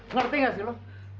ngerti nggak sih lo